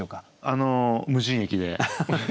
あの「無人駅」で。